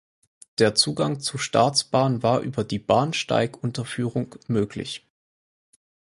Der Zugang zur Staatsbahn war über die Bahnsteigunterführung möglich.